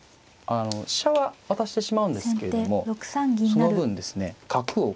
飛車は渡してしまうんですけれどもその分ですね角をこう活用して。